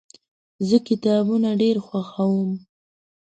زه کتابونه ډیر خوښوم.